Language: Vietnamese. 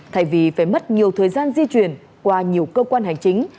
thay vì phải mất nhiều thời gian di chuyển qua nhiều cơ quan hành chính